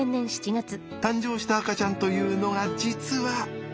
誕生した赤ちゃんというのが実は。